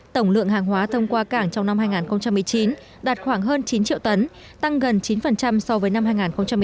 tổng lượng hàng hóa thông qua cảng trong năm hai nghìn một mươi chín đạt khoảng hơn chín triệu tấn tăng gần chín so với năm hai nghìn một mươi tám